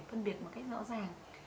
phân biệt một cách rõ ràng